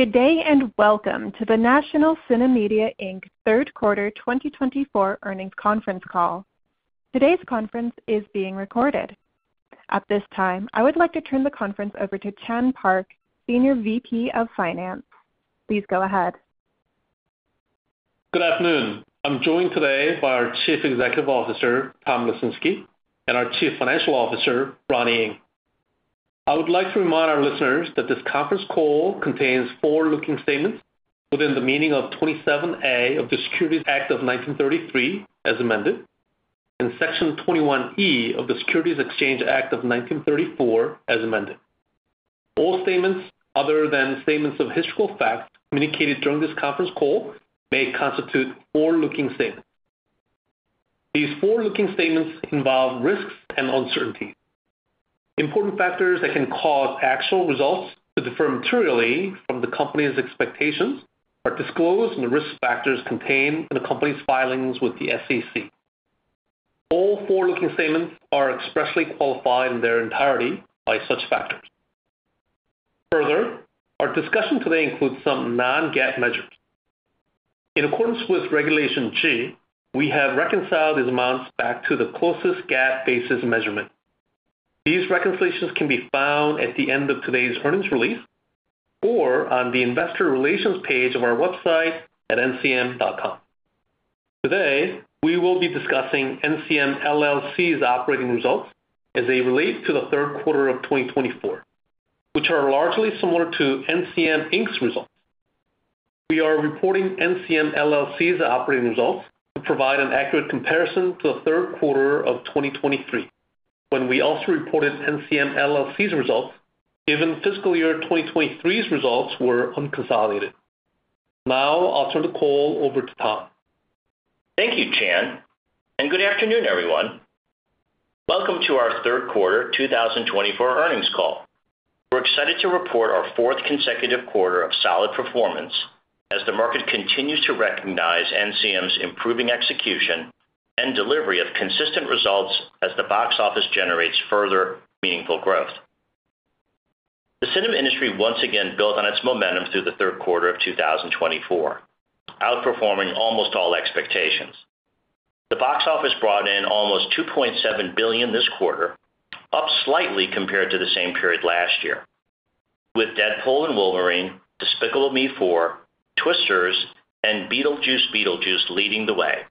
Good day and welcome to the National CineMedia, Inc. Third Quarter 2024 Earnings Conference Call. Today's conference is being recorded. At this time, I would like to turn the conference over to Chan Park, Senior VP of Finance. Please go ahead. Good afternoon. I'm joined today by our Chief Executive Officer, Tom Lesinski, and our Chief Financial Officer, Ronnie Ng. I would like to remind our listeners that this conference call contains forward-looking statements within the meaning of Section 27A of the Securities Act of 1933, as amended, and Section 21E of the Securities Exchange Act of 1934, as amended. All statements, other than statements of historical facts communicated during this conference call may constitute forward-looking statements. These forward-looking statements involve risks and uncertainties. Important factors that can cause actual results to differ materially from the company's expectations are disclosed in the risk factors contained in the company's filings with the SEC. All forward-looking statements are expressly qualified in their entirety by such factors. Further, our discussion today includes some non-GAAP measures. In accordance with Regulation G, we have reconciled these amounts back to the closest GAAP basis measurement. These reconciliations can be found at the end of today's earnings release or on the investor relations page of our website at ncm.com. Today, we will be discussing NCM LLC's operating results as they relate to the third quarter of 2024, which are largely similar to NCM Inc.'s results. We are reporting NCM LLC's operating results to provide an accurate comparison to the third quarter of 2023, when we also reported NCM LLC's results given fiscal year 2023's results were unconsolidated. Now, I'll turn the call over to Tom. Thank you, Chan, and good afternoon, everyone. Welcome to our Third Quarter 2024 Earnings Call. We're excited to report our fourth consecutive quarter of solid performance as the market continues to recognize NCM's improving execution and delivery of consistent results as the box office generates further meaningful growth. The cinema industry once again built on its momentum through the third quarter of 2024, outperforming almost all expectations. The box office brought in almost $2.7 billion this quarter, up slightly compared to the same period last year, with Deadpool & Wolverine, Despicable Me 4, Twisters, and Beetlejuice Beetlejuice leading the way,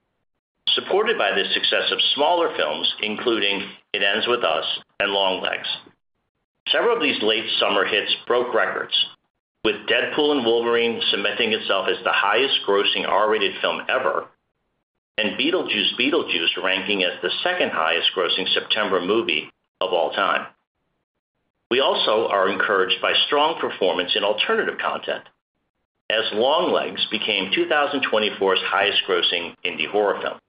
supported by the success of smaller films including It Ends with Us and Longlegs. Several of these late summer hits broke records, with Deadpool & Wolverine cementing itself as the highest-grossing R-rated film ever and Beetlejuice Beetlejuice ranking as the second highest-grossing September movie of all time. We also are encouraged by strong performance in alternative content, as Longlegs became 2024's highest-grossing indie horror film.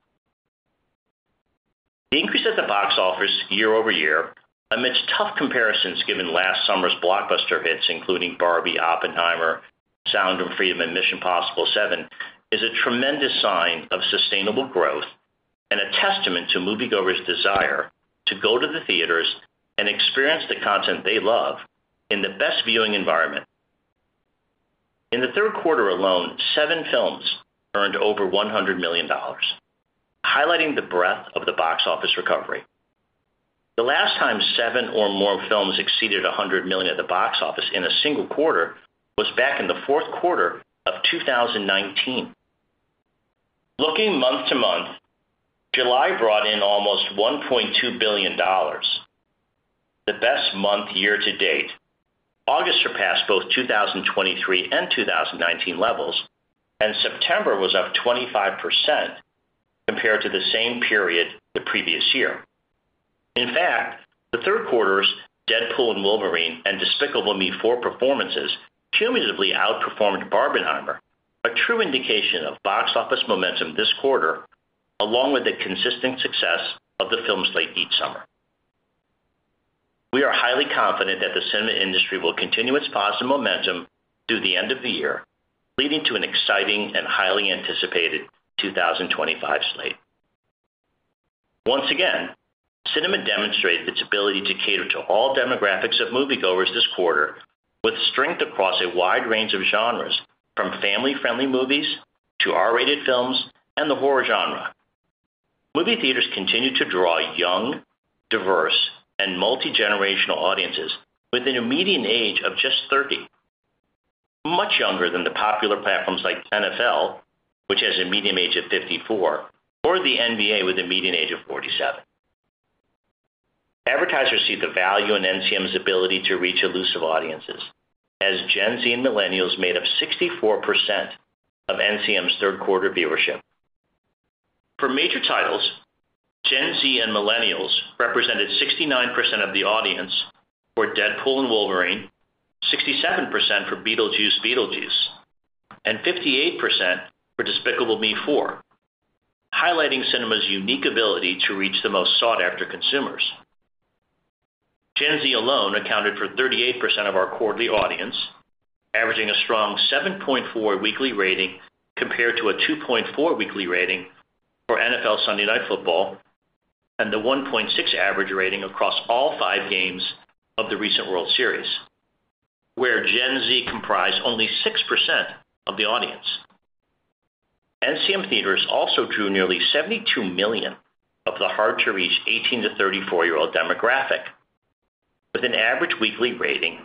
The increase at the box office year-over-year, amidst tough comparisons given last summer's blockbuster hits including Barbie, Oppenheimer, Sound of Freedom, and Mission: Impossible 7, is a tremendous sign of sustainable growth and a testament to moviegoers' desire to go to the theaters and experience the content they love in the best viewing environment. In the third quarter alone, seven films earned over $100 million, highlighting the breadth of the box office recovery. The last time seven or more films exceeded $100 million at the box office in a single quarter was back in the fourth quarter of 2019. Looking month to month, July brought in almost $1.2 billion, the best month year to date. August surpassed both 2023 and 2019 levels, and September was up 25% compared to the same period the previous year. In fact, the third quarter's Deadpool & Wolverine and Despicable Me 4 performances cumulatively outperformed Barbenheimer, a true indication of box office momentum this quarter, along with the consistent success of the film slate each summer. We are highly confident that the cinema industry will continue its positive momentum through the end of the year, leading to an exciting and highly anticipated 2025 slate. Once again, cinema demonstrated its ability to cater to all demographics of moviegoers this quarter, with strength across a wide range of genres, from family-friendly movies to R-rated films and the horror genre. Movie theaters continue to draw young, diverse, and multi-generational audiences within a median age of just 30, much younger than the popular platforms like NFL, which has a median age of 54, or the NBA with a median age of 47. Advertisers see the value in NCM's ability to reach elusive audiences, as Gen Z and Millennials made up 64% of NCM's third quarter viewership. For major titles, Gen Z and Millennials represented 69% of the audience for Deadpool & Wolverine, 67% for Beetlejuice Beetlejuice, and 58% for Despicable Me 4, highlighting cinema's unique ability to reach the most sought-after consumers. Gen Z alone accounted for 38% of our quarterly audience, averaging a strong 7.4 weekly rating compared to a 2.4 weekly rating for NFL Sunday Night Football and the 1.6 average rating across all five games of the recent World Series, where Gen Z comprised only 6% of the audience. NCM theaters also drew nearly 72 million of the hard-to-reach 18 to 34-year-old demographic, with an average weekly rating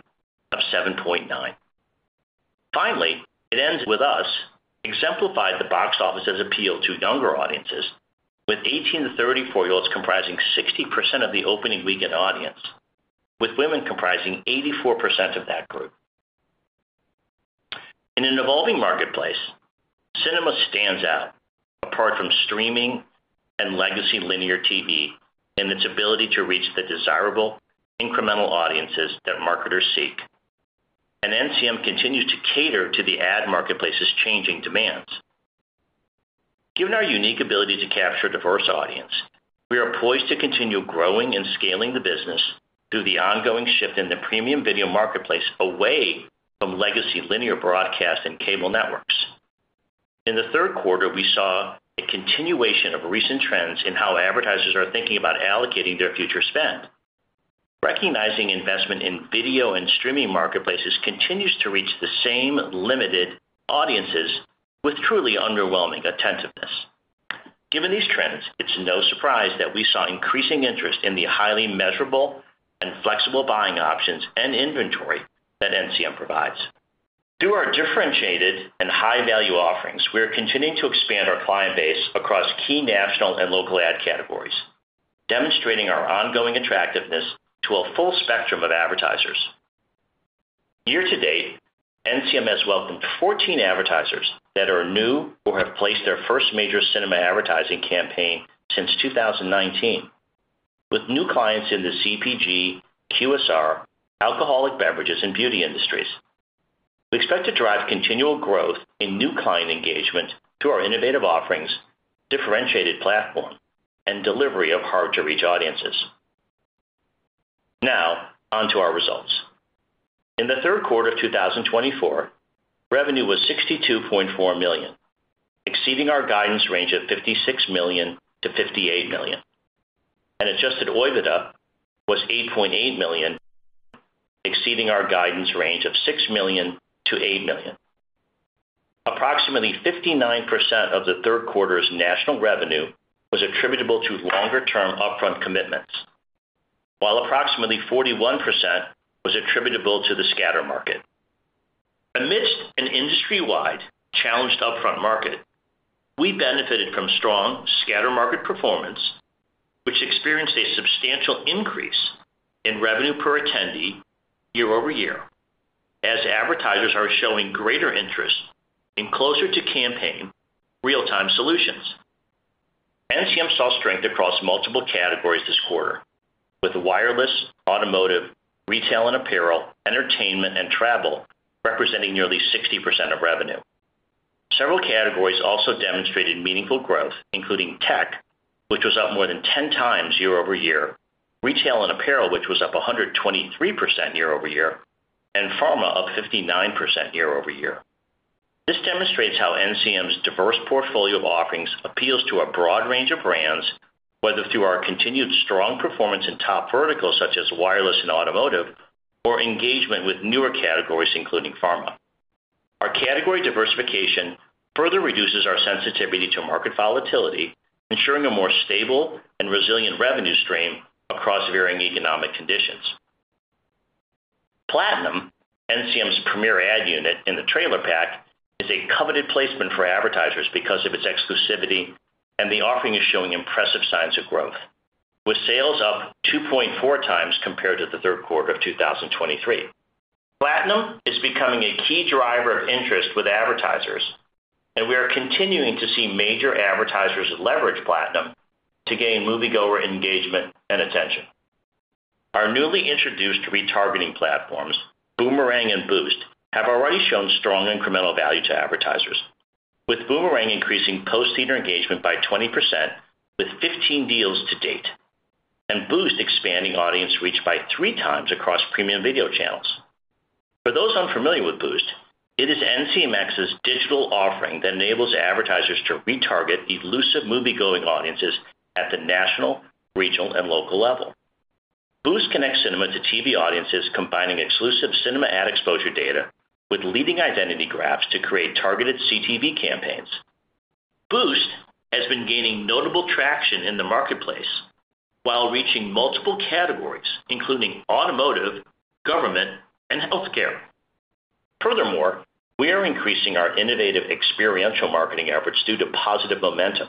of 7.9. Finally, It Ends with Us exemplified the box office's appeal to younger audiences, with 18 to 34-year-olds comprising 60% of the opening weekend audience, with women comprising 84% of that group. In an evolving marketplace, cinema stands out apart from streaming and legacy linear TV in its ability to reach the desirable, incremental audiences that marketers seek, and NCM continues to cater to the ad marketplace's changing demands. Given our unique ability to capture a diverse audience, we are poised to continue growing and scaling the business through the ongoing shift in the premium video marketplace away from legacy linear broadcast and cable networks. In the third quarter, we saw a continuation of recent trends in how advertisers are thinking about allocating their future spend. Recognizing investment in video and streaming marketplaces continues to reach the same limited audiences with truly underwhelming attentiveness. Given these trends, it's no surprise that we saw increasing interest in the highly measurable and flexible buying options and inventory that NCM provides. Through our differentiated and high-value offerings, we are continuing to expand our client base across key national and local ad categories, demonstrating our ongoing attractiveness to a full spectrum of advertisers. Year to date, NCM has welcomed 14 advertisers that are new or have placed their first major cinema advertising campaign since 2019, with new clients in the CPG, QSR, alcoholic beverages, and beauty industries. We expect to drive continual growth in new client engagement through our innovative offerings, differentiated platform, and delivery of hard-to-reach audiences. Now, onto our results. In the third quarter of 2024, revenue was $62.4 million, exceeding our guidance range of $56 million-$58 million, and adjusted EBITDA was $8.8 million, exceeding our guidance range of $6 million-$8 million. Approximately 59% of the third quarter's national revenue was attributable to longer-term upfront commitments, while approximately 41% was attributable to the scatter market. Amidst an industry-wide challenged upfront market, we benefited from strong scatter market performance, which experienced a substantial increase in revenue per attendee year-over-year, as advertisers are showing greater interest in closer-to-campaign, real-time solutions. NCM saw strength across multiple categories this quarter, with wireless, automotive, retail and apparel, entertainment, and travel representing nearly 60% of revenue. Several categories also demonstrated meaningful growth, including tech, which was up more than 10 times year-over-year, retail and apparel, which was up 123% year-over-year, and pharma up 59% year-over-year. This demonstrates how NCM's diverse portfolio of offerings appeals to a broad range of brands, whether through our continued strong performance in top verticals such as wireless and automotive or engagement with newer categories including pharma. Our category diversification further reduces our sensitivity to market volatility, ensuring a more stable and resilient revenue stream across varying economic conditions. Platinum, NCM's premier ad unit in the trailer pack, is a coveted placement for advertisers because of its exclusivity, and the offering is showing impressive signs of growth, with sales up 2.4 times compared to the third quarter of 2023. Platinum is becoming a key driver of interest with advertisers, and we are continuing to see major advertisers leverage Platinum to gain moviegoer engagement and attention. Our newly introduced retargeting platforms, Boomerang & Boost, have already shown strong incremental value to advertisers, with Boomerang increasing post-theater engagement by 20% with 15 deals to date, and Boost expanding audience reach by three times across premium video channels. For those unfamiliar with Boost, it is NCMx's digital offering that enables advertisers to retarget elusive moviegoing audiences at the national, regional, and local level. Boost connects cinema to TV audiences, combining exclusive cinema ad exposure data with leading identity graphs to create targeted CTV campaigns. Boost has been gaining notable traction in the marketplace while reaching multiple categories, including automotive, government, and healthcare. Furthermore, we are increasing our innovative experiential marketing efforts due to positive momentum,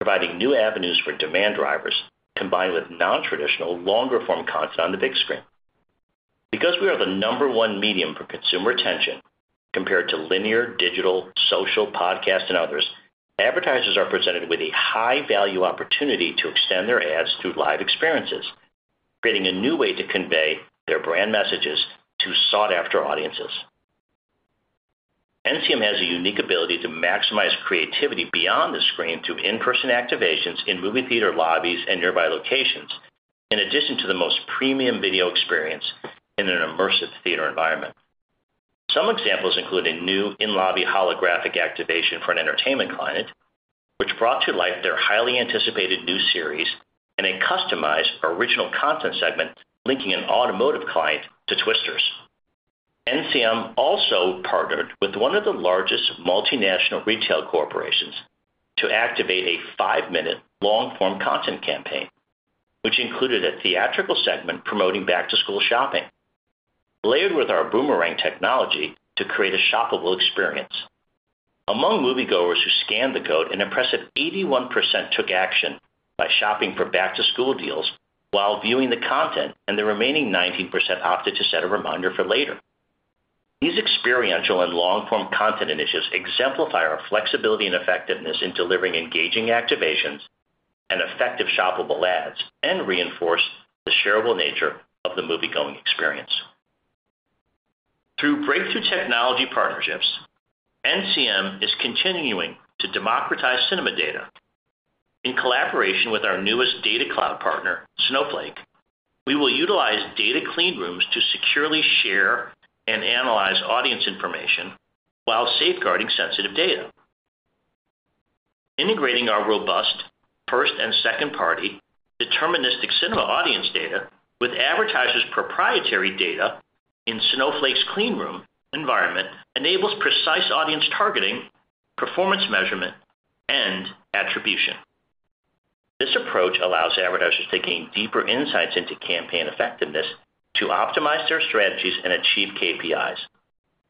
providing new avenues for demand drivers combined with non-traditional, longer-form content on the big screen. Because we are the number one medium for consumer attention compared to linear, digital, social, podcast, and others, advertisers are presented with a high-value opportunity to extend their ads through live experiences, creating a new way to convey their brand messages to sought-after audiences. NCM has a unique ability to maximize creativity beyond the screen through in-person activations in movie theater lobbies and nearby locations, in addition to the most premium video experience in an immersive theater environment. Some examples include a new in-lobby holographic activation for an entertainment client, which brought to life their highly anticipated new series and a customized original content segment linking an automotive client to Twisters. NCM also partnered with one of the largest multinational retail corporations to activate a five-minute long-form content campaign, which included a theatrical segment promoting back-to-school shopping, layered with our Boomerang technology to create a shoppable experience. Among moviegoers who scanned the code, an impressive 81% took action by shopping for back-to-school deals while viewing the content, and the remaining 19% opted to set a reminder for later. These experiential and long-form content initiatives exemplify our flexibility and effectiveness in delivering engaging activations and effective shoppable ads and reinforce the shareable nature of the moviegoing experience. Through breakthrough technology partnerships, NCM is continuing to democratize cinema data. In collaboration with our newest data cloud partner, Snowflake, we will utilize data clean rooms to securely share and analyze audience information while safeguarding sensitive data. Integrating our robust first and second-party deterministic cinema audience data with advertisers' proprietary data in Snowflake's clean room environment enables precise audience targeting, performance measurement, and attribution. This approach allows advertisers to gain deeper insights into campaign effectiveness to optimize their strategies and achieve KPIs,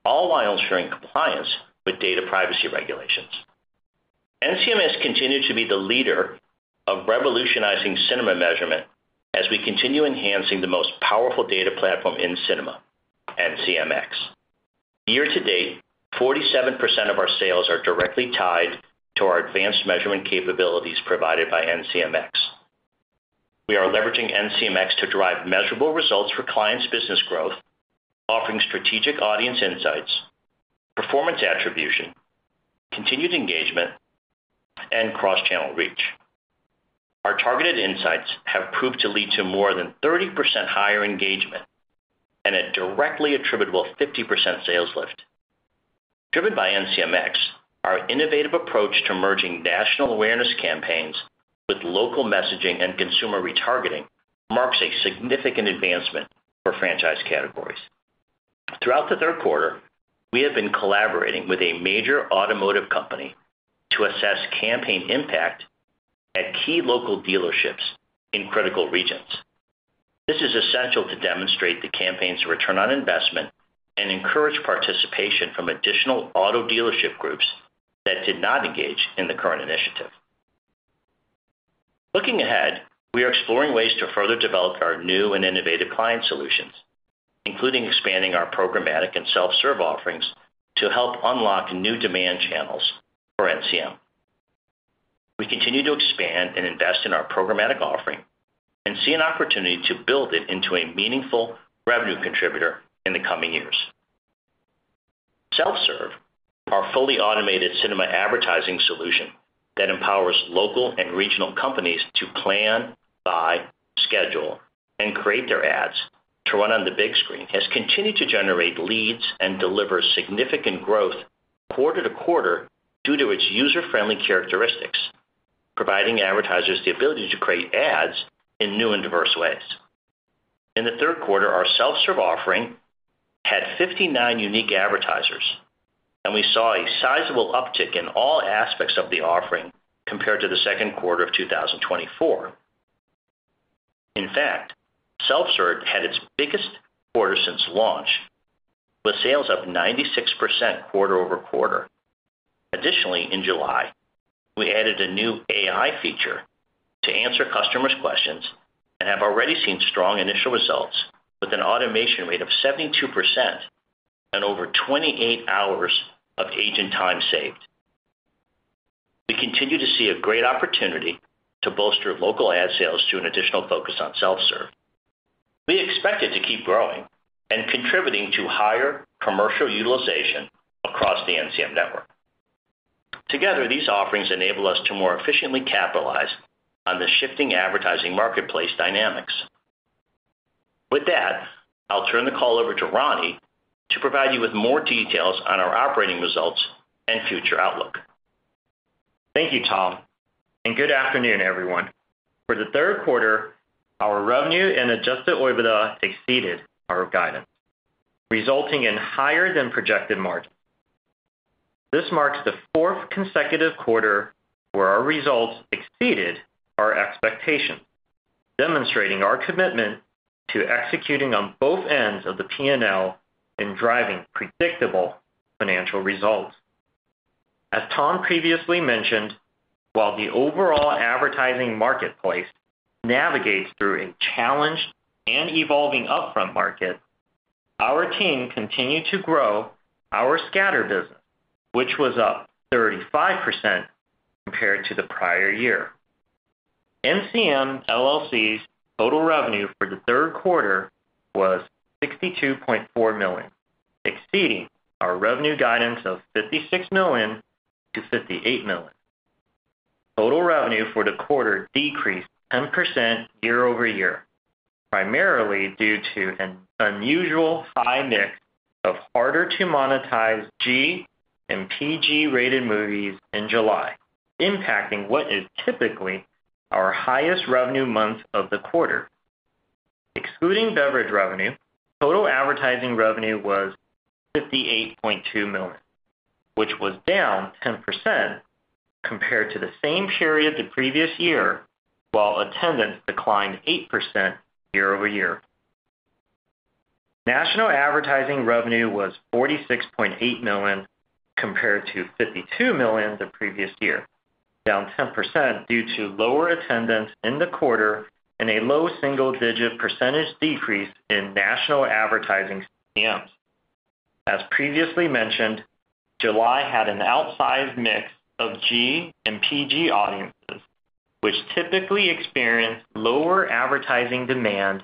all while ensuring compliance with data privacy regulations. NCM has continued to be the leader of revolutionizing cinema measurement as we continue enhancing the most powerful data platform in cinema, NCMx. Year to date, 47% of our sales are directly tied to our advanced measurement capabilities provided by NCMx. We are leveraging NCMx to drive measurable results for clients' business growth, offering strategic audience insights, performance attribution, continued engagement, and cross-channel reach. Our targeted insights have proved to lead to more than 30% higher engagement and a directly attributable 50% sales lift. Driven by NCMx, our innovative approach to merging national awareness campaigns with local messaging and consumer retargeting marks a significant advancement for franchise categories. Throughout the third quarter, we have been collaborating with a major automotive company to assess campaign impact at key local dealerships in critical regions. This is essential to demonstrate the campaign's return on investment and encourage participation from additional auto dealership groups that did not engage in the current initiative. Looking ahead, we are exploring ways to further develop our new and innovative client solutions, including expanding our programmatic and self-serve offerings to help unlock new demand channels for NCM. We continue to expand and invest in our programmatic offering and see an opportunity to build it into a meaningful revenue contributor in the coming years. Self-Serve, our fully automated cinema advertising solution that empowers local and regional companies to plan, buy, schedule, and create their ads to run on the big screen, has continued to generate leads and deliver significant growth quarter to quarter due to its user-friendly characteristics, providing advertisers the ability to create ads in new and diverse ways. In the third quarter, our Self-Serve offering had 59 unique advertisers, and we saw a sizable uptick in all aspects of the offering compared to the second quarter of 2024. In fact, Self-Serve had its biggest quarter since launch, with sales up 96% quarter-over-quarter. Additionally, in July, we added a new AI feature to answer customers' questions and have already seen strong initial results with an automation rate of 72% and over 28 hours of agent time saved. We continue to see a great opportunity to bolster local ad sales through an additional focus on self-serve. We expect it to keep growing and contributing to higher commercial utilization across the NCM network. Together, these offerings enable us to more efficiently capitalize on the shifting advertising marketplace dynamics. With that, I'll turn the call over to Ronnie to provide you with more details on our operating results and future outlook. Thank you, Tom, and good afternoon, everyone. For the third quarter, our revenue and Adjusted EBITDA exceeded our guidance, resulting in higher than projected margins. This marks the fourth consecutive quarter where our results exceeded our expectations, demonstrating our commitment to executing on both ends of the P&L and driving predictable financial results. As Tom previously mentioned, while the overall advertising marketplace navigates through a challenged and evolving upfront market, our team continued to grow our scatter business, which was up 35% compared to the prior year. NCM LLC's total revenue for the third quarter was $62.4 million, exceeding our revenue guidance of $56 million-$58 million. Total revenue for the quarter decreased 10% year-over-year, primarily due to an unusual high mix of harder-to-monetize G and PG-rated movies in July, impacting what is typically our highest revenue month of the quarter. Excluding beverage revenue, total advertising revenue was $58.2 million, which was down 10% compared to the same period the previous year, while attendance declined 8% year-over-year. National advertising revenue was $46.8 million compared to $52 million the previous year, down 10% due to lower attendance in the quarter and a low single-digit percentage decrease in national advertising CPMs. As previously mentioned, July had an outsized mix of G and PG audiences, which typically experience lower advertising demand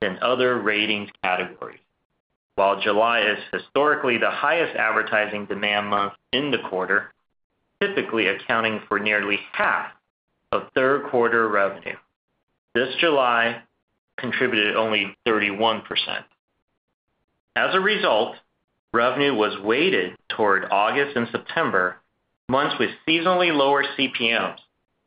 than other ratings categories, while July is historically the highest advertising demand month in the quarter, typically accounting for nearly half of third-quarter revenue. This July contributed only 31%. As a result, revenue was weighted toward August and September, months with seasonally lower CPMs,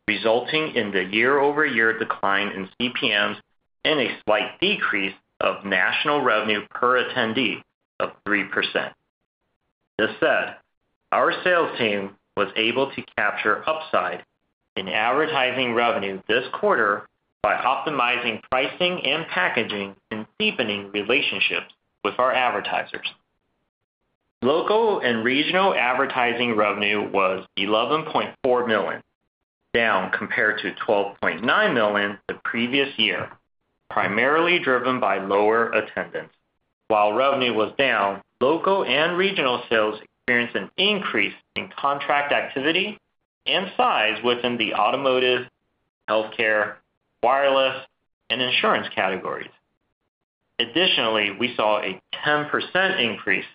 resulting in the year-over-year decline in CPMs and a slight decrease of national revenue per attendee of 3%. This said, our sales team was able to capture upside in advertising revenue this quarter by optimizing pricing and packaging and deepening relationships with our advertisers. Local and regional advertising revenue was $11.4 million, down compared to $12.9 million the previous year, primarily driven by lower attendance. While revenue was down, local and regional sales experienced an increase in contract activity and size within the automotive, healthcare, wireless, and insurance categories. Additionally, we saw a 10% increase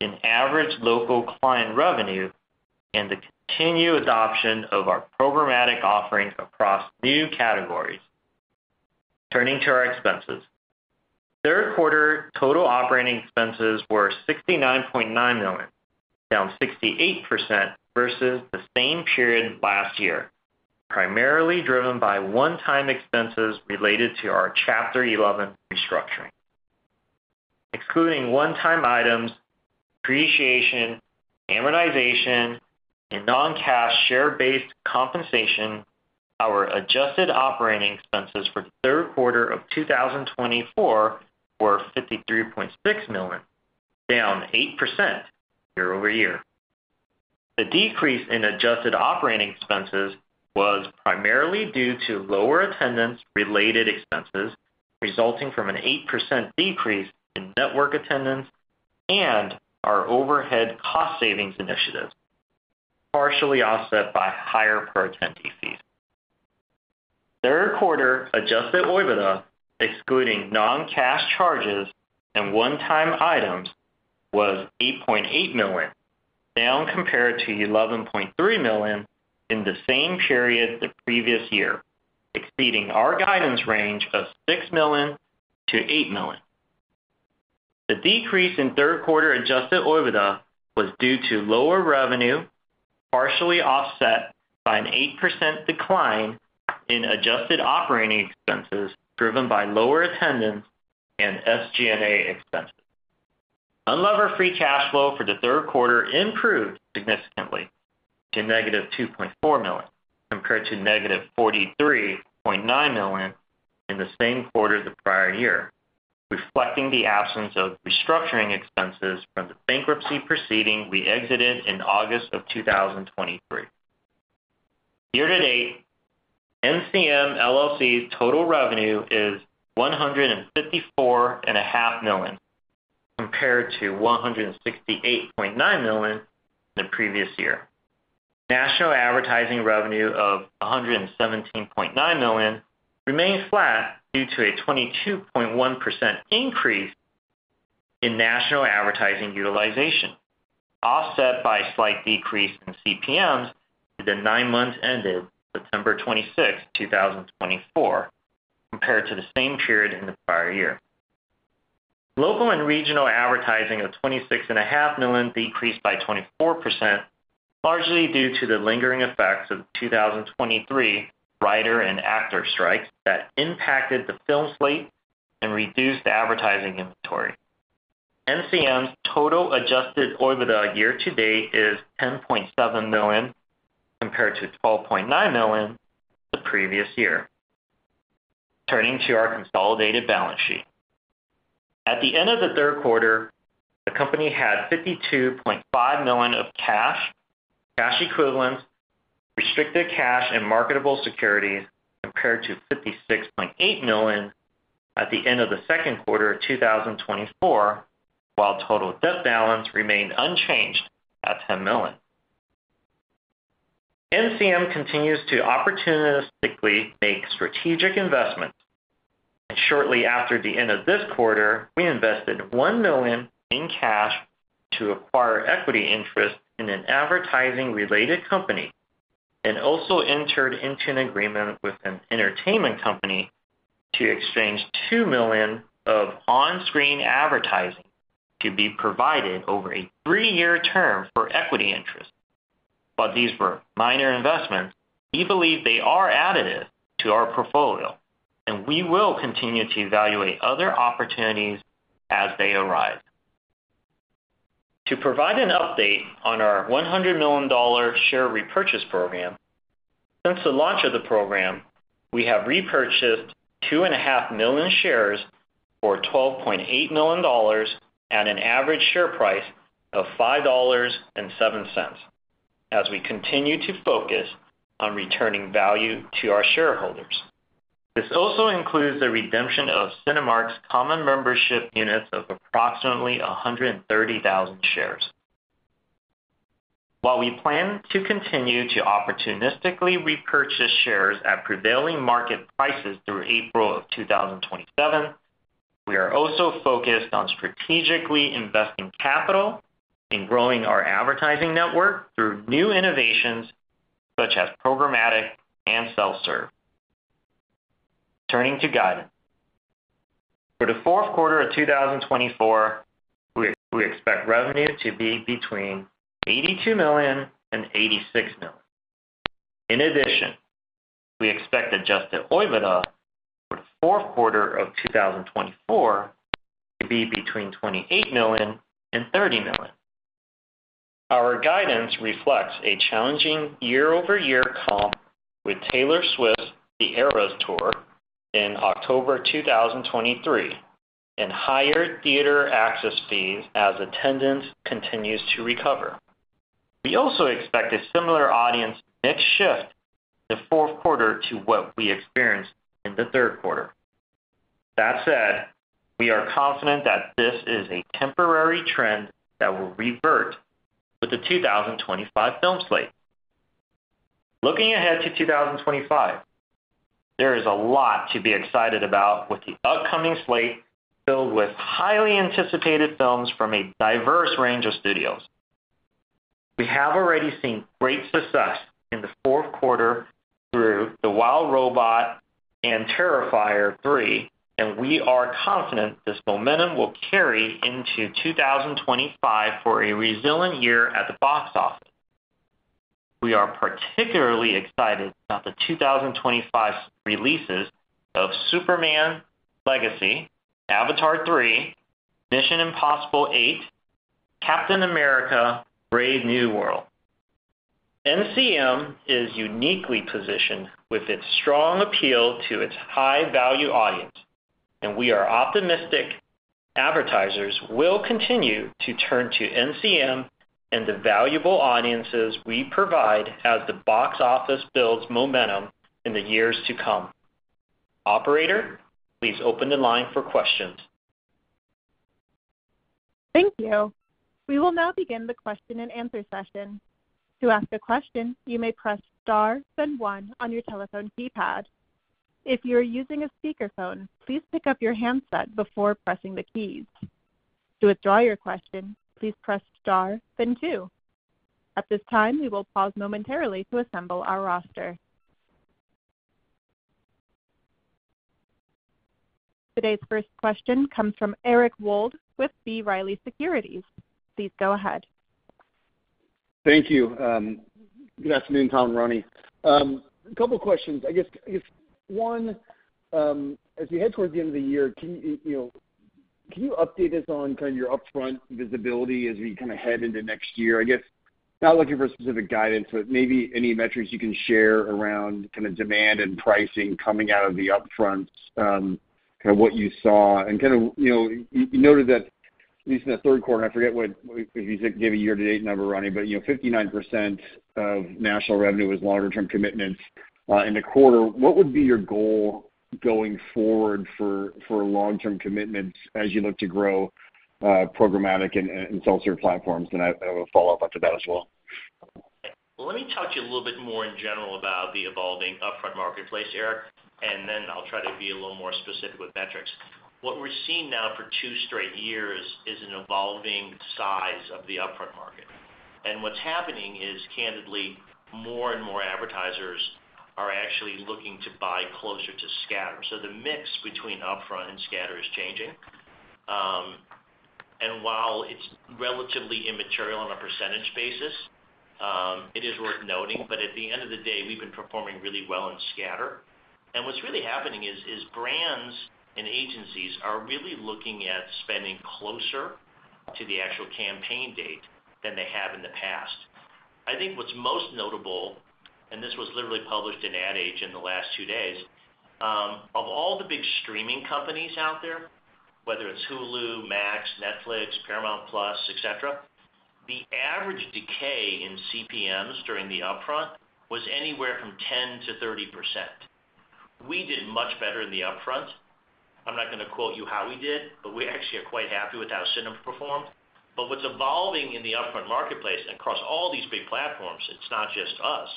in average local client revenue and the continued adoption of our programmatic offerings across new categories. Turning to our expenses, third-quarter total operating expenses were $69.9 million, down 68% versus the same period last year, primarily driven by one-time expenses related to our Chapter 11 restructuring. Excluding one-time items, depreciation, amortization, and non-cash share-based compensation, our adjusted operating expenses for the third quarter of 2024 were $53.6 million, down 8% year-over-year. The decrease in adjusted operating expenses was primarily due to lower attendance-related expenses resulting from an 8% decrease in network attendance and our overhead cost savings initiatives, partially offset by higher per-attendee fees. Third-quarter Adjusted EBITDA, excluding non-cash charges and one-time items, was $8.8 million, down compared to $11.3 million in the same period the previous year, exceeding our guidance range of $6 million-$8 million. The decrease in third-quarter Adjusted EBITDA was due to lower revenue, partially offset by an 8% decline in adjusted operating expenses driven by lower attendance and SG&A expenses. Unlevered free cash flow for the third quarter improved significantly to -$2.4 million compared to -$43.9 million in the same quarter the prior year, reflecting the absence of restructuring expenses from the bankruptcy proceeding we exited in August of 2023. Year to date, NCM LLC's total revenue is $154.5 million compared to $168.9 million the previous year. National advertising revenue of $117.9 million remains flat due to a 22.1% increase in national advertising utilization, offset by a slight decrease in CPMs through the nine months ended September 26, 2024, compared to the same period in the prior year. Local and regional advertising of $26.5 million decreased by 24%, largely due to the lingering effects of the 2023 writer and actor strikes that impacted the film slate and reduced advertising inventory. NCM's total adjusted EBITDA year to date is $10.7 million compared to $12.9 million the previous year. Turning to our consolidated balance sheet, at the end of the third quarter, the company had $52.5 million of cash, cash equivalents, restricted cash, and marketable securities compared to $56.8 million at the end of the second quarter of 2024, while total debt balance remained unchanged at $10 million. NCM continues to opportunistically make strategic investments, and shortly after the end of this quarter, we invested $1 million in cash to acquire equity interest in an advertising-related company and also entered into an agreement with an entertainment company to exchange $2 million of on-screen advertising to be provided over a three-year term for equity interests. While these were minor investments, we believe they are additive to our portfolio, and we will continue to evaluate other opportunities as they arise. To provide an update on our $100 million share repurchase program, since the launch of the program, we have repurchased 2.5 million shares for $12.8 million at an average share price of $5.07 as we continue to focus on returning value to our shareholders. This also includes the redemption of Cinemark's common membership units of approximately 130,000 shares. While we plan to continue to opportunistically repurchase shares at prevailing market prices through April of 2027, we are also focused on strategically investing capital and growing our advertising network through new innovations such as programmatic and self-serve. Turning to guidance, for the fourth quarter of 2024, we expect revenue to be between $82 million and $86 million. In addition, we expect Adjusted EBITDA for the fourth quarter of 2024 to be between $28 million and $30 million. Our guidance reflects a challenging year-over-year comp with Taylor Swift: The Eras Tour in October 2023 and higher theater access fees as attendance continues to recover. We also expect a similar audience mix shift in the fourth quarter to what we experienced in the third quarter. That said, we are confident that this is a temporary trend that will revert with the 2025 film slate. Looking ahead to 2025, there is a lot to be excited about with the upcoming slate filled with highly anticipated films from a diverse range of studios. We have already seen great success in the fourth quarter through The Wild Robot and Terrifier 3, and we are confident this momentum will carry into 2025 for a resilient year at the box office. We are particularly excited about the 2025 releases of Superman: Legacy, Avatar 3, Mission: Impossible 8, Captain America: Brave New World. NCM is uniquely positioned with its strong appeal to its high-value audience, and we are optimistic advertisers will continue to turn to NCM and the valuable audiences we provide as the box office builds momentum in the years to come. Operator, please open the line for questions. Thank you. We will now begin the question-and-answer session. To ask a question, you may press star then one on your telephone keypad. If you are using a speakerphone, please pick up your handset before pressing the keys. To withdraw your question, please press star then two. At this time, we will pause momentarily to assemble our roster. Today's first question comes from Eric Wold with B. Riley Securities. Please go ahead. Thank you. Good afternoon, Tom and Ronnie. A couple of questions. I guess one, as we head towards the end of the year, can you update us on kind of your upfront visibility as we kind of head into next year? I guess not looking for specific guidance, but maybe any metrics you can share around kind of demand and pricing coming out of the upfront, kind of what you saw. And kind of you noted that at least in the third quarter, and I forget what if you gave a year-to-date number, Ronnie, but 59% of national revenue was longer-term commitments in the quarter. What would be your goal going forward for long-term commitments as you look to grow programmatic and self-serve platforms? And I have a follow-up after that as well. Let me talk to you a little bit more in general about the evolving upfront marketplace, Eric, and then I'll try to be a little more specific with metrics. What we're seeing now for two straight years is an evolving size of the upfront market, and what's happening is, candidly, more and more advertisers are actually looking to buy closer to scatter, so the mix between upfront and scatter is changing, and while it's relatively immaterial on a percentage basis, it is worth noting, but at the end of the day, we've been performing really well in scatter, and what's really happening is brands and agencies are really looking at spending closer to the actual campaign date than they have in the past. I think what's most notable, and this was literally published in Ad Age in the last two days, of all the big streaming companies out there, whether it's Hulu, Max, Netflix, Paramount+, etc., the average decay in CPMs during the upfront was anywhere from 10%-30%. We did much better in the upfront. I'm not going to quote you how we did, but we actually are quite happy with how Cinema performed. But what's evolving in the upfront marketplace across all these big platforms, it's not just us,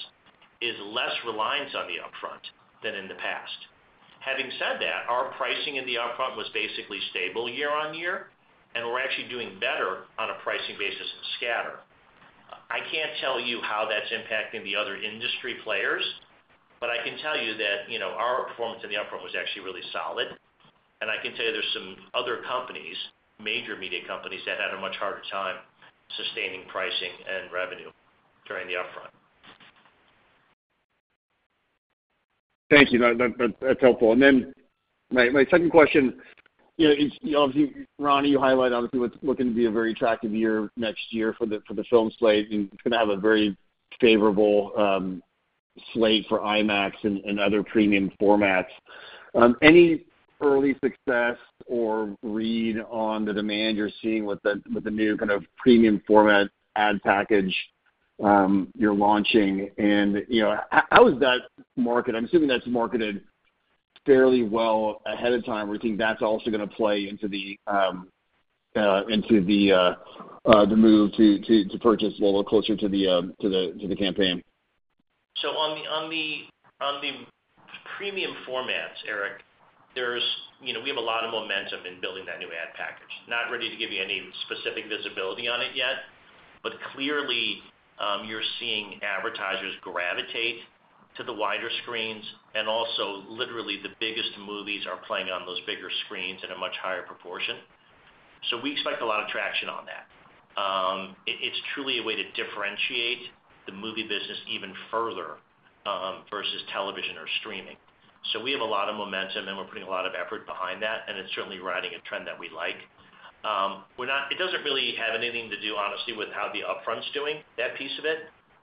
is less reliance on the upfront than in the past. Having said that, our pricing in the upfront was basically stable year-on-year, and we're actually doing better on a pricing basis of scatter. I can't tell you how that's impacting the other industry players, but I can tell you that our performance in the upfront was actually really solid. And I can tell you there's some other companies, major media companies, that had a much harder time sustaining pricing and revenue during the upfront. Thank you. That's helpful. And then my second question, obviously, Ronnie, you highlighted what's looking to be a very attractive year next year for the film slate. It's going to have a very favorable slate for IMAX and other premium formats. Any early success or read on the demand you're seeing with the new kind of premium format ad package you're launching? And how is that marketed? I'm assuming that's marketed fairly well ahead of time. We think that's also going to play into the move to purchase a little closer to the campaign. On the premium formats, Eric, we have a lot of momentum in building that new ad package. Not ready to give you any specific visibility on it yet, but clearly you're seeing advertisers gravitate to the wider screens, and also literally the biggest movies are playing on those bigger screens in a much higher proportion. We expect a lot of traction on that. It's truly a way to differentiate the movie business even further versus television or streaming. \We have a lot of momentum, and we're putting a lot of effort behind that, and it's certainly riding a trend that we like. It doesn't really have anything to do, honestly, with how the upfront's doing, that piece of it,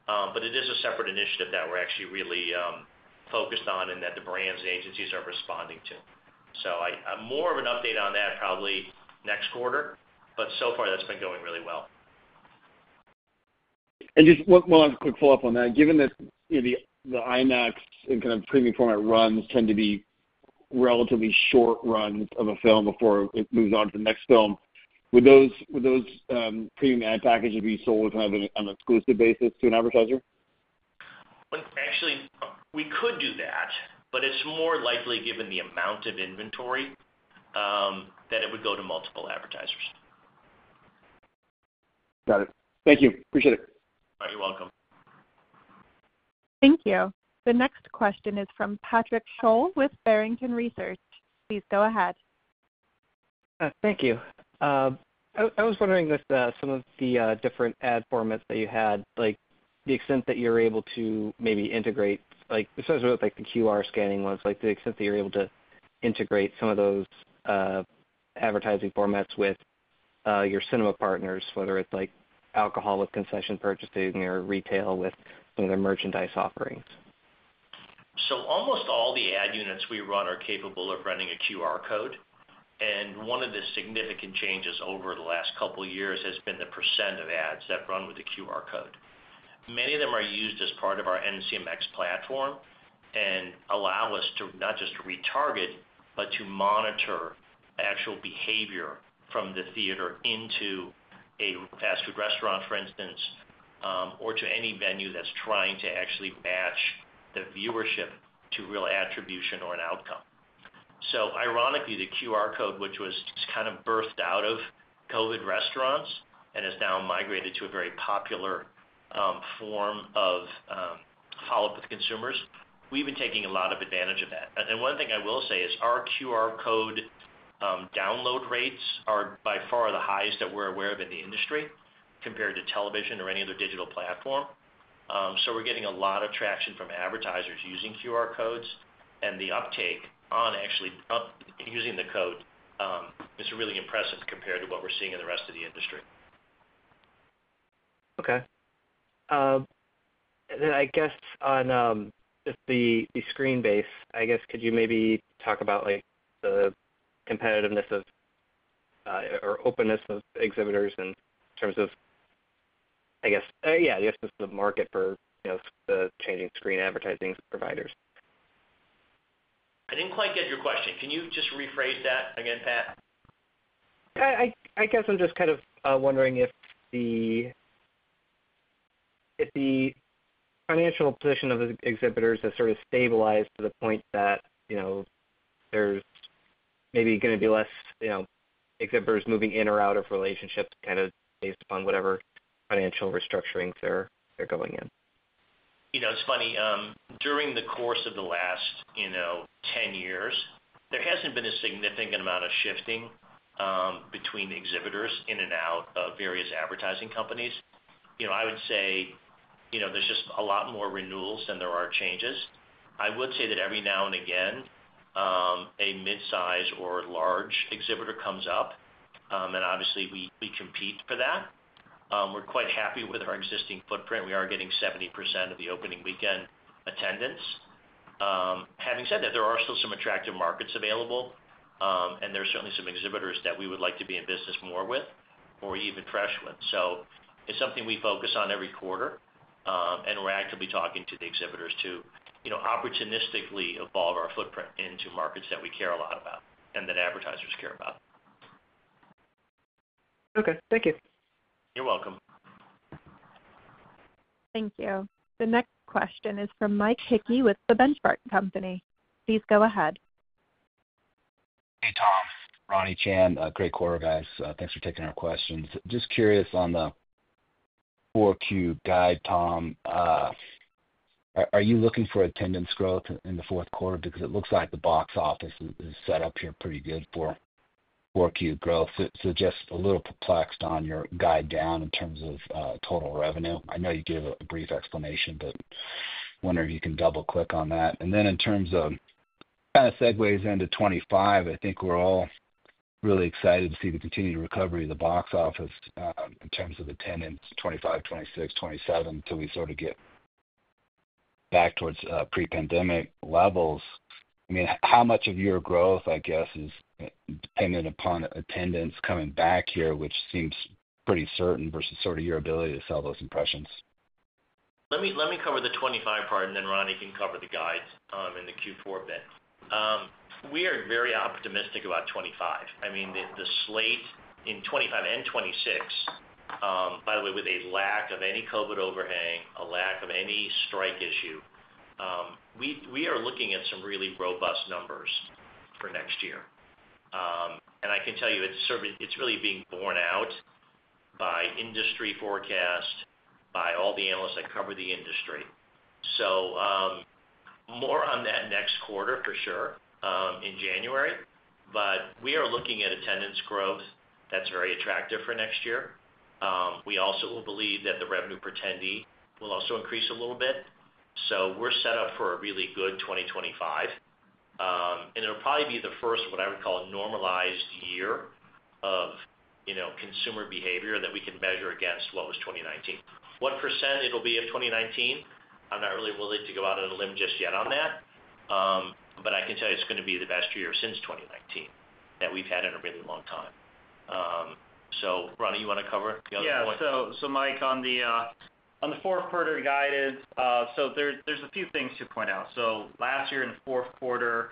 but it is a separate initiative that we're actually really focused on and that the brands and agencies are responding to. So more of an update on that probably next quarter, but so far that's been going really well. And just one quick follow-up on that. Given that the IMAX and kind of premium format runs tend to be relatively short runs of a film before it moves on to the next film, would those premium ad packages be sold kind of on an exclusive basis to an advertiser? Actually, we could do that, but it's more likely given the amount of inventory that it would go to multiple advertisers. Got it. Thank you. Appreciate it. You're welcome. Thank you. The next question is from Patrick Sholl with Barrington Research. Please go ahead. Thank you. I was wondering with some of the different ad formats that you had, the extent that you're able to maybe integrate, especially with the QR scanning ones, the extent that you're able to integrate some of those advertising formats with your cinema partners, whether it's alcohol with concession purchasing or retail with some of their merchandise offerings? So almost all the ad units we run are capable of running a QR code. And one of the significant changes over the last couple of years has been the percent of ads that run with a QR code. Many of them are used as part of our NCMx platform and allow us to not just retarget, but to monitor actual behavior from the theater into a fast food restaurant, for instance, or to any venue that's trying to actually match the viewership to real attribution or an outcome. So ironically, the QR code, which was kind of birthed out of COVID restaurants and has now migrated to a very popular form of follow-up with consumers, we've been taking a lot of advantage of that. And one thing I will say is our QR code download rates are by far the highest that we're aware of in the industry compared to television or any other digital platform. So we're getting a lot of traction from advertisers using QR codes, and the uptake on actually using the code is really impressive compared to what we're seeing in the rest of the industry. Okay. And then I guess on the screen base, I guess could you maybe talk about the competitiveness or openness of exhibitors in terms of, I guess, yeah, I guess the market for the changing screen advertising providers? I didn't quite get your question. Can you just rephrase that again, Pat? I guess I'm just kind of wondering if the financial position of the exhibitors has sort of stabilized to the point that there's maybe going to be less exhibitors moving in or out of relationships kind of based upon whatever financial restructurings they're going in. It's funny. During the course of the last 10 years, there hasn't been a significant amount of shifting between exhibitors in and out of various advertising companies. I would say there's just a lot more renewals than there are changes. I would say that every now and again, a mid-size or large exhibitor comes up, and obviously we compete for that. We're quite happy with our existing footprint. We are getting 70% of the opening weekend attendance. Having said that, there are still some attractive markets available, and there are certainly some exhibitors that we would like to be in business more with or even fresh with. So it's something we focus on every quarter, and we're actively talking to the exhibitors to opportunistically evolve our footprint into markets that we care a lot about and that advertisers care about. Okay. Thank you. You're welcome. Thank you. The next question is from Mike Hickey with The Benchmark Company. Please go ahead. Hey, Tom. Ronnie, Chan, great quarter, guys. Thanks for taking our questions. Just curious on the Q4 guide, Tom, are you looking for attendance growth in the fourth quarter? Because it looks like the box office is set up here pretty good for Q4 growth. So just a little perplexed on your guide down in terms of total revenue. I know you gave a brief explanation, but wonder if you can double-click on that, and then in terms of kind of segues into 2025, I think we're all really excited to see the continued recovery of the box office in terms of attendance 2025, 2026, 2027 until we sort of get back towards pre-pandemic levels. I mean, how much of your growth, I guess, is dependent upon attendance coming back here, which seems pretty certain versus sort of your ability to sell those impressions? Let me cover the 2025 part, and then Ronnie can cover the guides in the Q4 bit. We are very optimistic about 2025. I mean, the slate in 2025 and 2026, by the way, with a lack of any COVID overhang, a lack of any strike issue. We are looking at some really robust numbers for next year. I can tell you it's really being borne out by industry forecast, by all the analysts that cover the industry. So more on that next quarter for sure in January, but we are looking at attendance growth that's very attractive for next year. We also believe that the revenue per attendee will also increase a little bit. So we're set up for a really good 2025. And it'll probably be the first, what I would call, normalized year of consumer behavior that we can measure against what was 2019. What percent it'll be of 2019, I'm not really willing to go out on a limb just yet on that. But I can tell you it's going to be the best year since 2019 that we've had in a really long time. So Ronnie, you want to cover the other ones? Yeah. So, Mike, on the fourth quarter guidance, so there's a few things to point out. So last year in the fourth quarter,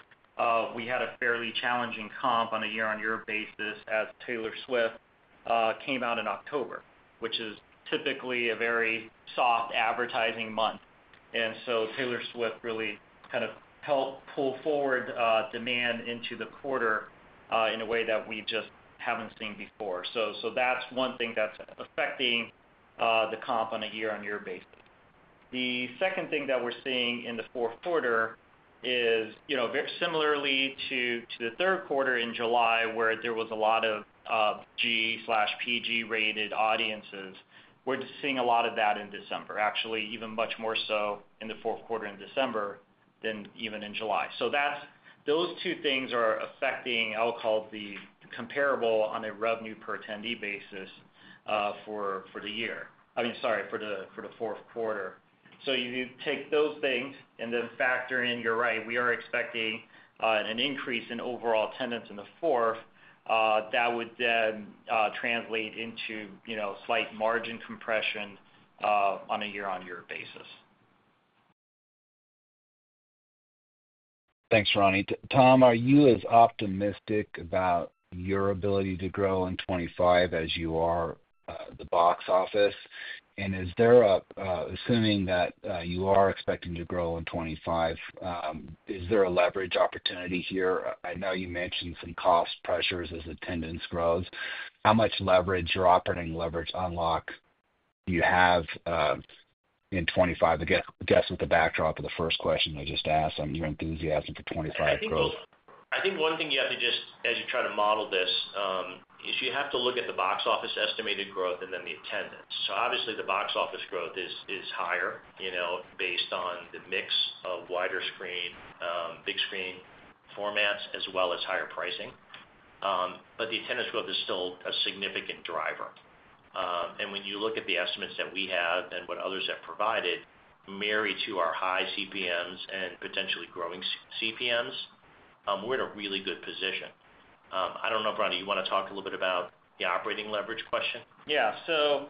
we had a fairly challenging comp on a year-on-year basis as Taylor Swift came out in October, which is typically a very soft advertising month. And so Taylor Swift really kind of helped pull forward demand into the quarter in a way that we just haven't seen before. So that's one thing that's affecting the comp on a year-on-year basis. The second thing that we're seeing in the fourth quarter is, similarly to the third quarter in July, where there was a lot of G/PG-rated audiences, we're seeing a lot of that in December, actually even much more so in the fourth quarter in December than even in July. So those two things are affecting what I'll call the comparable on a revenue per attendee basis for the year. I mean, sorry, for the fourth quarter. So you take those things and then factor in, you're right, we are expecting an increase in overall attendance in the fourth that would then translate into slight margin compression on a year-on-year basis. Thanks, Ronnie. Tom, are you as optimistic about your ability to grow in 2025 as you are the box office? And assuming that you are expecting to grow in 2025, is there a leverage opportunity here? I know you mentioned some cost pressures as attendance grows. How much leverage, your operating leverage unlock, do you have in 2025? I guess with the backdrop of the first question I just asked, your enthusiasm for 2025 growth. I think one thing you have to just, as you try to model this, is you have to look at the box office estimated growth and then the attendance. So obviously, the box office growth is higher based on the mix of wider screen, big screen formats, as well as higher pricing. But the attendance growth is still a significant driver. And when you look at the estimates that we have and what others have provided, married to our high CPMs and potentially growing CPMs, we're in a really good position. I don't know, Ronnie, you want to talk a little bit about the operating leverage question? Yeah. So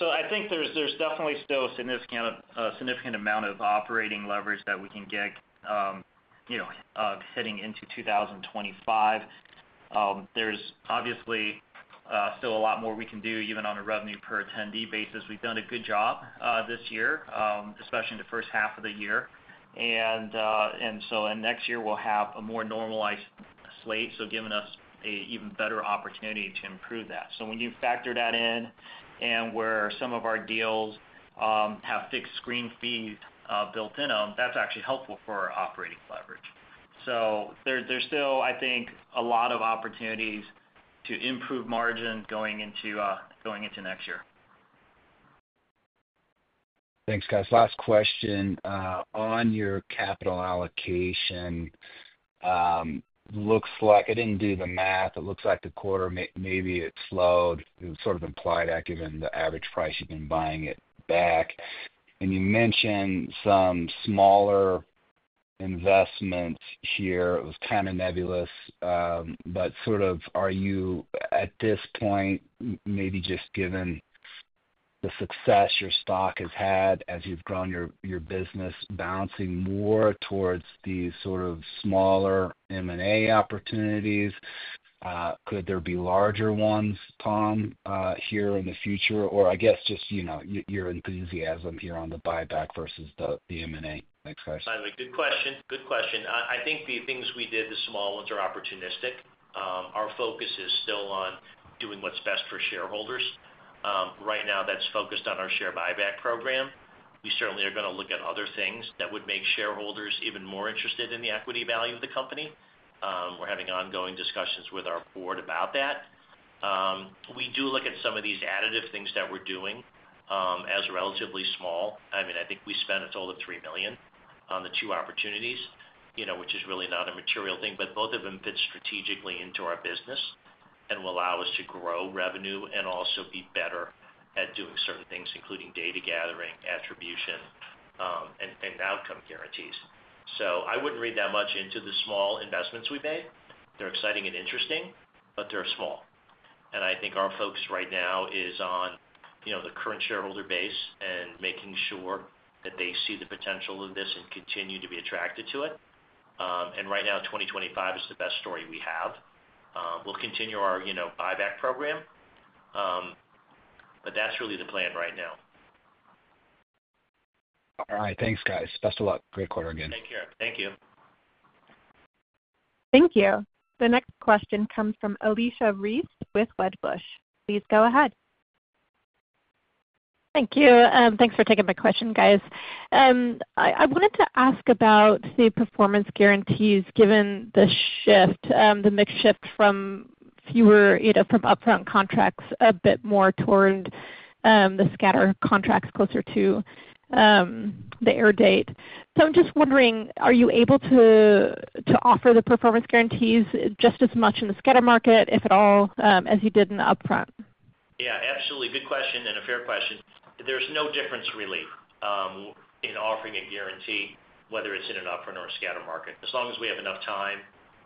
I think there's definitely still a significant amount of operating leverage that we can get hitting into 2025. There's obviously still a lot more we can do even on a revenue per attendee basis. We've done a good job this year, especially in the first half of the year and so next year, we'll have a more normalized slate, so giving us an even better opportunity to improve that so when you factor that in and where some of our deals have fixed screen fees built in them, that's actually helpful for our operating leverage so there's still, I think, a lot of opportunities to improve margins going into next year. Thanks, guys. Last question on your capital allocation, it looks like I didn't do the math. It looks like the quarter maybe it slowed. It sort of implied that given the average price, you've been buying it back. And you mentioned some smaller investments here. It was kind of nebulous. But sort of, are you at this point, maybe just given the success your stock has had as you've grown your business, bouncing more towards these sort of smaller M&A opportunities? Could there be larger ones, Tom, here in the future? Or I guess just your enthusiasm here on the buyback versus the M&A. Next question. Good question. Good question. I think the things we did, the small ones, are opportunistic. Our focus is still on doing what's best for shareholders. Right now, that's focused on our share buyback program. We certainly are going to look at other things that would make shareholders even more interested in the equity value of the company. We're having ongoing discussions with our board about that. We do look at some of these additive things that we're doing as relatively small. I mean, I think we spent a total of $3 million on the two opportunities, which is really not a material thing, but both of them fit strategically into our business and will allow us to grow revenue and also be better at doing certain things, including data gathering, attribution, and outcome guarantees. So I wouldn't read that much into the small investments we made. They're exciting and interesting, but they're small. And I think our focus right now is on the current shareholder base and making sure that they see the potential of this and continue to be attracted to it. And right now, 2025 is the best story we have. We'll continue our buyback program, but that's really the plan right now. All right. Thanks, guys. Best of luck. Great quarter again. Take care. Thank you. Thank you. The next question comes from Alicia Reese with Wedbush. Please go ahead. Thank you. Thanks for taking my question, guys. I wanted to ask about the performance guarantees given the shift, the mixed shift from upfront contracts a bit more toward the scatter contracts closer to the air date. So I'm just wondering, are you able to offer the performance guarantees just as much in the scatter market, if at all, as you did in the upfront? Yeah. Absolutely. Good question and a fair question. There's no difference really in offering a guarantee, whether it's in an upfront or a scatter market, as long as we have enough time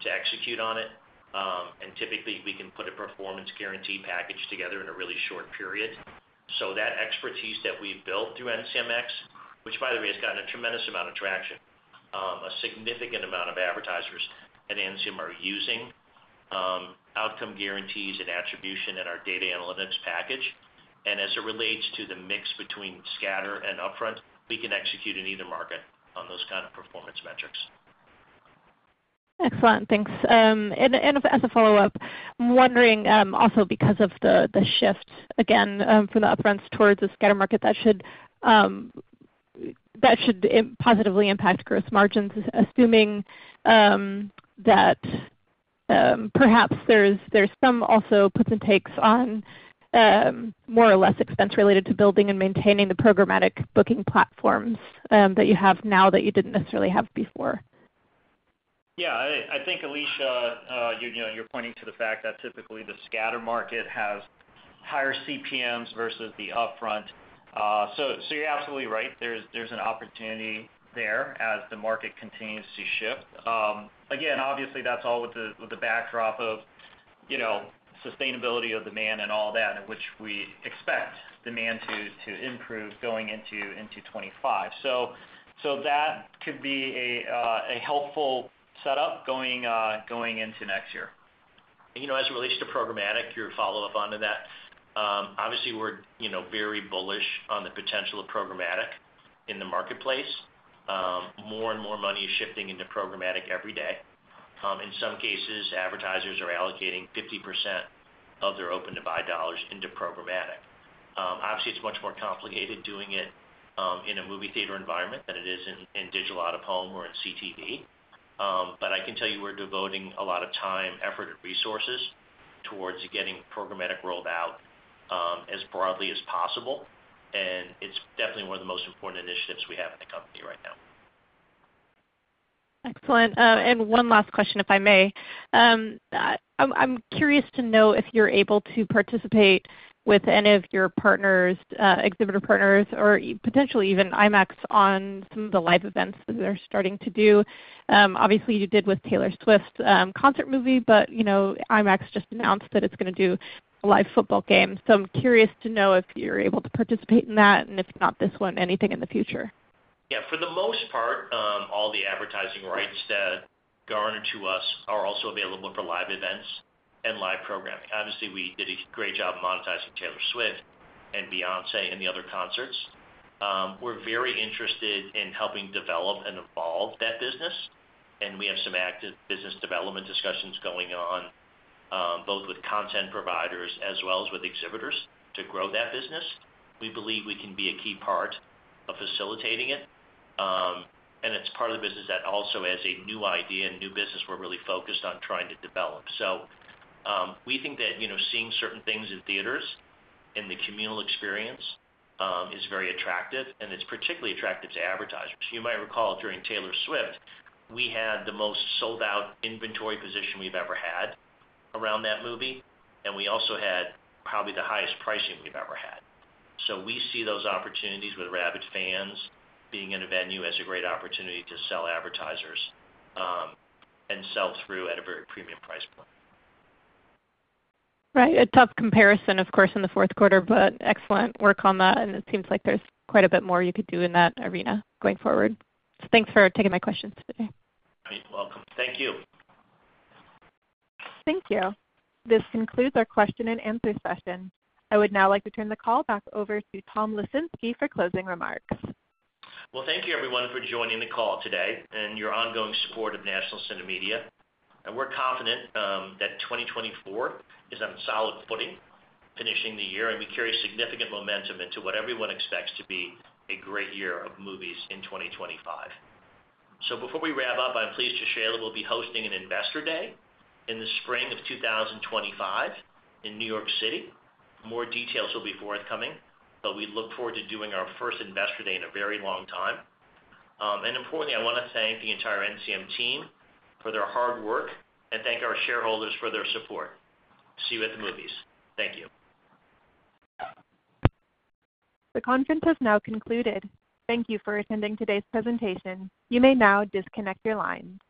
to execute on it. And typically, we can put a performance guarantee package together in a really short period. So that expertise that we've built through NCMx, which, by the way, has gotten a tremendous amount of traction. A significant amount of advertisers at NCM are using outcome guarantees and attribution in our data analytics package. And as it relates to the mix between scatter and upfront, we can execute in either market on those kind of performance metrics. Excellent. Thanks. And as a follow-up, I'm wondering also because of the shift, again, from the upfronts towards the scatter market, that should positively impact gross margins, assuming that perhaps there's some also puts and takes on more or less expense related to building and maintaining the programmatic booking platforms that you have now that you didn't necessarily have before. Yeah. I think, Alicia, you're pointing to the fact that typically the scatter market has higher CPMs versus the upfront. So you're absolutely right. There's an opportunity there as the market continues to shift. Again, obviously, that's all with the backdrop of sustainability of demand and all that, which we expect demand to improve going into 2025. So that could be a helpful setup going into next year. As it relates to programmatic, your follow-up onto that, obviously, we're very bullish on the potential of programmatic in the marketplace. More and more money is shifting into programmatic every day. In some cases, advertisers are allocating 50% of their open-to-buy dollars into programmatic. Obviously, it's much more complicated doing it in a movie theater environment than it is in digital out of home or in CTV. But I can tell you we're devoting a lot of time, effort, and resources towards getting programmatic rolled out as broadly as possible. And it's definitely one of the most important initiatives we have in the company right now. Excellent. And one last question, if I may. I'm curious to know if you're able to participate with any of your exhibitor partners or potentially even IMAX on some of the live events that they're starting to do. Obviously, you did with Taylor Swift's concert movie, but IMAX just announced that it's going to do a live football game. So I'm curious to know if you're able to participate in that, and if not, this one, anything in the future. Yeah. For the most part, all the advertising rights that accrue to us are also available for live events and live programming. Obviously, we did a great job monetizing Taylor Swift and Beyoncé and the other concerts. We're very interested in helping develop and evolve that business. And we have some active business development discussions going on both with content providers as well as with exhibitors to grow that business. We believe we can be a key part of facilitating it and it's part of the business that also, as a new idea and new business, we're really focused on trying to develop so we think that seeing certain things in theaters and the communal experience is very attractive, and it's particularly attractive to advertisers. You might recall during Taylor Swift, we had the most sold-out inventory position we've ever had around that movie, and we also had probably the highest pricing we've ever had so we see those opportunities with rabid fans being in a venue as a great opportunity to sell advertisers and sell through at a very premium price point. Right. A tough comparison, of course, in the fourth quarter, but excellent work on that and it seems like there's quite a bit more you could do in that arena going forward. So thanks for taking my questions today. You're welcome. Thank you. Thank you. This concludes our question and answer session. I would now like to turn the call back over to Tom Lesinski for closing remarks. Well, thank you, everyone, for joining the call today and your ongoing support of National CineMedia. And we're confident that 2024 is on solid footing, finishing the year, and we carry significant momentum into what everyone expects to be a great year of movies in 2025. So before we wrap up, I'm pleased to share that we'll be hosting an Investor Day in the spring of 2025 in New York City. More details will be forthcoming, but we look forward to doing our first Investor Day in a very long time. And importantly, I want to thank the entire NCM team for their hard work and thank our shareholders for their support. See you at the movies. Thank you. The conference has now concluded. Thank you for attending today's presentation. You may now disconnect your lines.